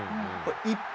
一方、